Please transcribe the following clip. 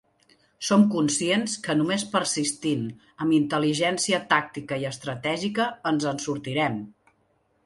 Som conscients que només persistint, amb intel·ligència tàctica i estratègica ens en sortirem.